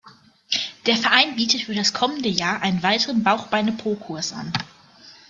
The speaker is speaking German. Der Verein bietet für das kommende Jahr einen weiteren Bauch-Beine-Po-Kurs an.